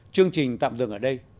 chương trình tạm dừng ở đây